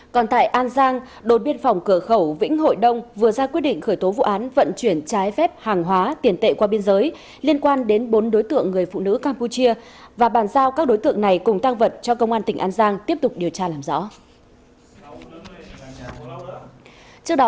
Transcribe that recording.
các bạn hãy đăng ký kênh để ủng hộ kênh của chúng mình nhé